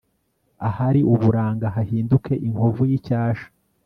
ahari uburanga hahinduke inkovu y'icyasha